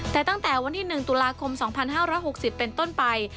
แต่ตั้งแต่วันที่๑ตุลาคม๒๕๖๐เป็นต้นไป